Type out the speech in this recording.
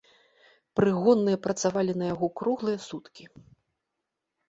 Прыгонныя працавалі на яго круглыя суткі.